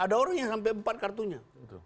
ada orang yang sampai empat kartunya